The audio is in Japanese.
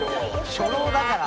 初老だから。